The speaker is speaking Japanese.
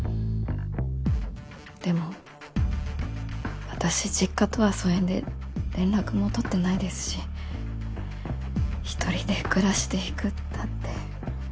でも私実家とは疎遠で連絡も取ってないですし１人で暮らしていくったって。